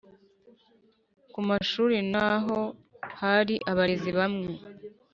Ku mashuri na ho hari abarezi bamwe